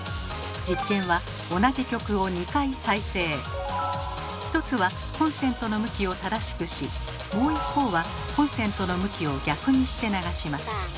実験は一つはコンセントの向きを正しくしもう一方はコンセントの向きを逆にして流します。